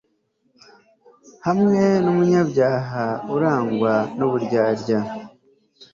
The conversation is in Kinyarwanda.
hamwe n'umunyabyaha urangwa n'uburyarya